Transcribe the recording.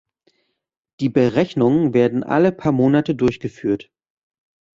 Die Berechnungen werden alle paar Monate durchgeführt.